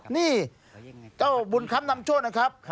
นี่เจ้าบุญคำนำโชคนะครับ